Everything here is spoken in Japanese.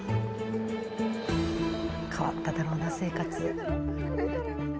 変わっただろうな生活。